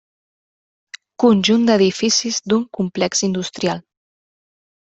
Conjunt d'edificis d'un complex industrial.